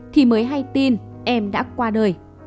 thì mới hay tin em đã qua đời